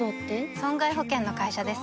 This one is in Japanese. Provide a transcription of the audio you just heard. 損害保険の会社です